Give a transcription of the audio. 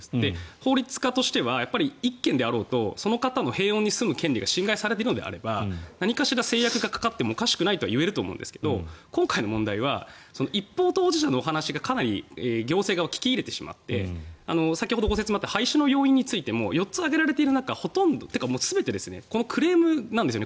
法律家としては１軒であろうとその方の平穏に住む権利が侵害されているのであれば何かしら制約がかかってもおかしくないとは言えると思うんですが今回の問題は一方当事者のお話がかなり行政側が聞き入れてしまっていて先ほどご説明があった廃止の要因についても４つあった中ほとんど、というか全てクレームなんですよね。